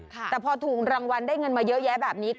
แต่พอถูกรางวัลได้เงินมาเยอะแยะแบบนี้